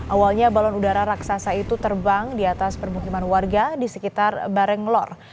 awalnya balon udara raksasa itu terbang di atas permukiman warga di sekitar barenglor